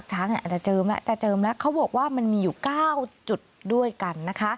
การเจิบตรงที่เจิมเขาบอกว่ามันมีอยู่๙จุดด้วยกัน